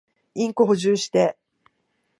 インク補充して。